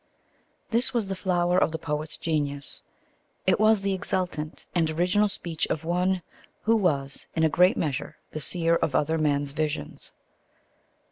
This was the flower of the poet's genius. It was the exultant and original speech of one who was in a great measure the seer of other men's visions.